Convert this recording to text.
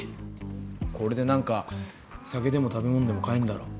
これで何か酒でも食べ物でも買えんだろ。